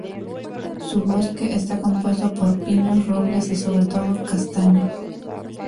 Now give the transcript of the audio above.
Su bosque está compuesto por pinos, robles y sobre todo, castaños.